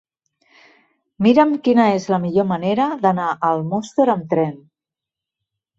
Mira'm quina és la millor manera d'anar a Almoster amb tren.